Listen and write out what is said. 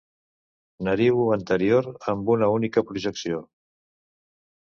Nariu anterior amb una única projecció.